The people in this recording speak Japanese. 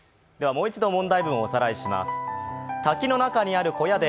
もう一度問題文をおさらいします。